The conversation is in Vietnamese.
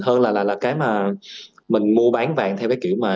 hơn là cái mà mình mua bán vàng theo cái kiểu mà